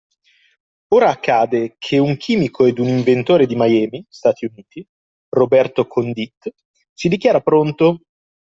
Ora accade che un chimico ed un inventore di Miami (Stati Uniti), Roberto Condit, si dichiara pronto… .